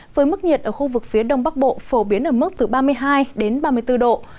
với mức nhiệt ở khu vực phía đông bắc bộ phổ biến ở mức từ ba mươi hai đến ba mươi bốn độ